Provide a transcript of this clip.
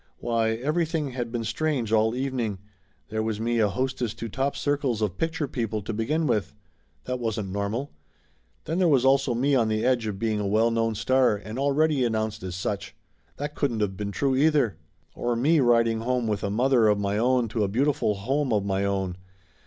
Why, everything had been strange all evening ! There was me a hostess to top circles of picture people, to begin with. That wasn't normal. Then there was also me on the edge of being a well known star and already announced as such. That couldn't of been true, either ! Or me riding home with a mother of my own to a beautiful home of my own.